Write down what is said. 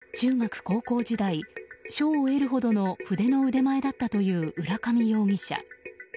近所の人によると中学高校時代賞を得るほどの筆の腕前だったという浦上容疑者。